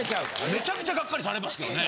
めちゃくちゃガッカリされますけどね。